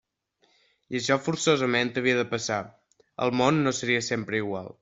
I això forçosament havia de passar: el món no seria sempre igual.